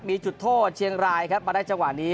มีจุดโทษเชียงรายครับมาได้จังหวะนี้